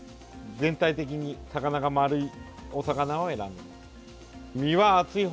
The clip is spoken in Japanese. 全体的に魚が丸いお魚を選んでください。